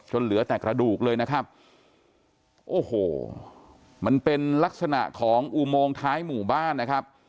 เหลือแต่กระดูกเลยนะครับโอ้โหมันเป็นลักษณะของอุโมงท้ายหมู่บ้านนะครับ